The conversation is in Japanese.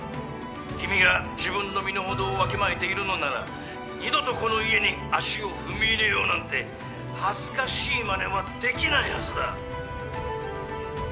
君が自分の身の程をわきまえているのなら二度とこの家に足を踏み入れようなんて恥ずかしいまねはできないはずだ。